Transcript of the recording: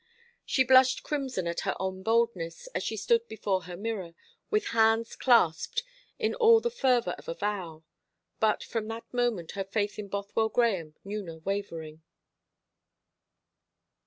She blushed crimson at her own boldness, as she stood before her mirror, with hands clasped, in all the fervour of a vow; but from that moment her faith in Bothwell Grahame knew no wavering.